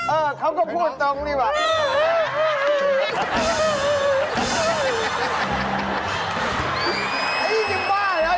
เออเขาก็พูดตรงนี่ว่ะ